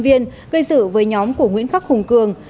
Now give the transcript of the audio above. viên gây sự với nhóm của nguyễn khắc hùng cường